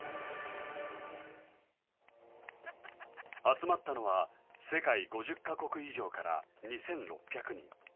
集まったのは世界５０か国以上から２６００人。